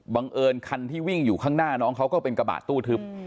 เอิญคันที่วิ่งอยู่ข้างหน้าน้องเขาก็เป็นกระบะตู้ทึบ